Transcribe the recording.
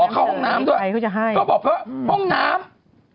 เขาก็บอกว่าห้องน้ำ